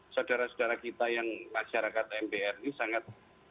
saudara saudara kita yang masyarakat mbr ini sangat